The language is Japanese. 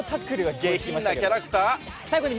下品なキャラクター！